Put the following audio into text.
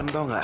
malem tau gak